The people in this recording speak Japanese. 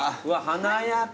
華やか。